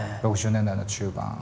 ６０年代の中盤。